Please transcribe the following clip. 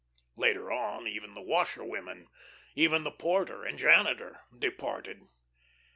Later on even the washerwomen, even the porter and janitor, departed.